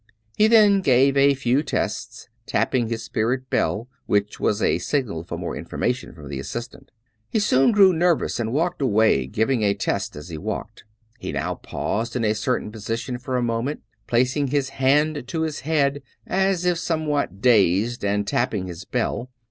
He then gave a few tests, tapping his spirit bell, which was a signal for more information from the assistant. He soon grew nervous and walked away giving a test as he walked. He now paused in a certain position for a moment, placing his hand to his head as if somewhat dazed and tapping his bell.